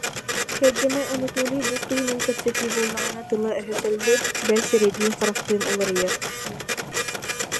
Кэргэнэ Анатолий булт туһунан кэпсэтии буоллаҕына тыла-өһө сөллөр, бэл, сирэйдиин-харахтыын уларыйар